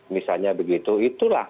misalnya begitu itulah